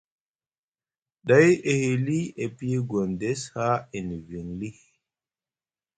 Ɗay e hili e piyi Gondes haa e niviŋ lii.